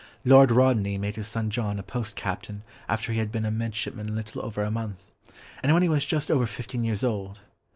Lord Rodney made his son John a post captain after he had been a midshipman little over a month, and when he was just over fifteen years old.